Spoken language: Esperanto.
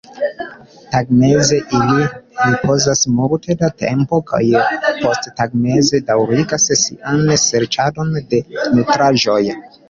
Tagmeze ili ripozas multe da tempo kaj posttagmeze daŭrigas sian serĉadon de nutraĵoj.